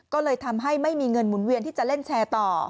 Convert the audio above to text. ก็เลยทำให้ไม่มีเงินหมุนเวียนที่จะเล่นแชร์ต่อ